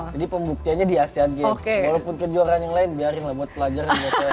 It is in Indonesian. jadi pembuktiannya di asean game walaupun kejuaraan yang lain biarin lah buat pelajaran